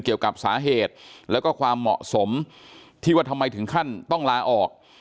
เกี่ยวกับสาเหตุแล้วก็ความเหมาะสมที่ว่าทำไมถึงขั้นต้องลาออก